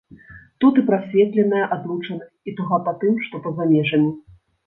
Тут і прасветленая адлучанасць, і туга па тым, што па-за межамі.